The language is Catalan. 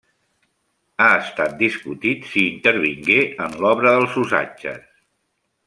Ha estat discutit si intervingué en l'obra dels Usatges.